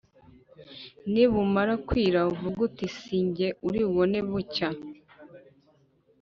nibumara kwira uvuge uti ‘si jye uri bubone bucya!,’